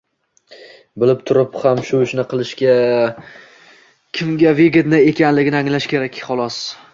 bilib turib ham shu ishni qilish kimga "vыgodno" ekanligini anglash kerak xolos.